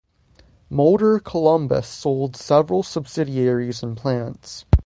Motor-Columbus sold several subsidiaries and plants.